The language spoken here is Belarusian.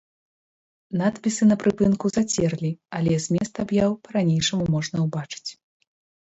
Надпісы на прыпынку зацерлі, але змест аб'яў па-ранейшаму можна ўбачыць.